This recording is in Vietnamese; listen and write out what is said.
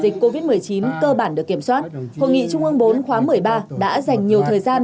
diễn ra trong bối cảnh dịch covid một mươi chín cơ bản được kiểm soát hội nghị trung ương bốn khóa một mươi ba đã dành nhiều thời gian